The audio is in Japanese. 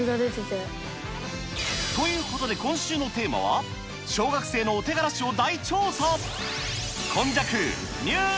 ということで、今週のテーマは、小学生のお手柄史を大調査。